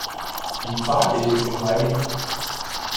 Die Pfarrkirche ist dem hl.